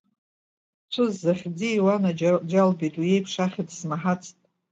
Ҵәыз захьӡи, уанаџьабеит, уи еиԥш ахьӡ смаҳацт.